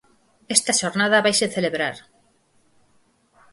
Esta xornada vaise celebrar.